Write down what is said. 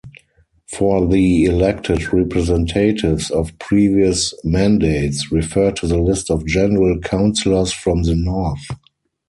For the elected representatives of previous mandates, refer to the list of general councilors from the North.